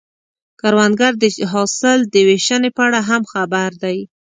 کروندګر د حاصل د ویشنې په اړه هم خبر دی